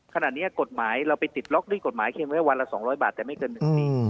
ขณะนี้กฎหมายเราไปติดล็อกด้วยกฎหมายเพียงแค่วันละ๒๐๐บาทแต่ไม่เกิน๑ปี